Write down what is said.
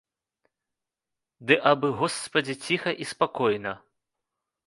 Ды абы, госпадзі, ціха і спакойна.